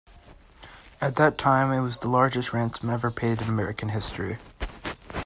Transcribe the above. At that time it was the largest ransom ever paid in American history.